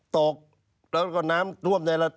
ตกแล้วก็น้ำท่วมในละ